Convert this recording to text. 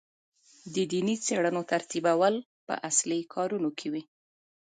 د دیني څېړنو ترتیبول په اصلي کارونو کې وي.